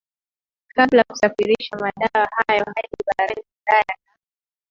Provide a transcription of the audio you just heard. kabla ya kusafirisha madawa hayo hadi barani Ulaya na